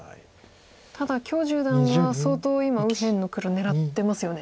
ただ許十段は相当今右辺の黒狙ってますよね。